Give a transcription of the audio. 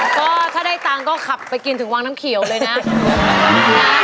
ก็ถ้าได้ตังค์ก็ขับไปกินถึงวังน้ำเขียวเลยนะ